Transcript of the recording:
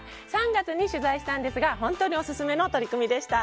３月に取材したんですが本当にオススメの取り組みでした。